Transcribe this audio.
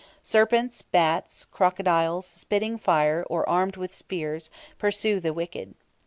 Serpents, bats, and crocodiles, spitting fire, or armed with spears, pursue the wicked.